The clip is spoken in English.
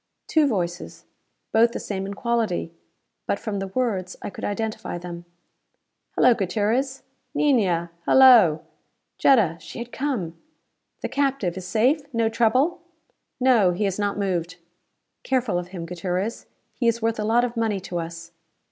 Two voices. Both the same in quality. But from the words I could identify them. "Hello, Gutierrez." "Niña, hello." Jetta! She had come! "The captive is safe? No trouble?" "No. He has not moved." "Careful of him, Gutierrez. He is worth a lot of money to us."